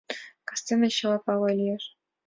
Кастене чыла пале лиеш.